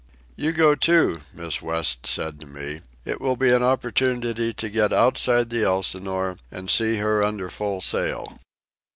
"You go, too," Miss West said to me. "It will be an opportunity to get outside the Elsinore and see her under full sail."